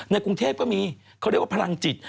กรุงเทพก็มีเขาเรียกว่าพลังจิต